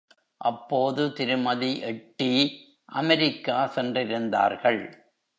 அப்போது திருமதி எட்டி அமெரிக்கா சென்றிருந்தார்கள்.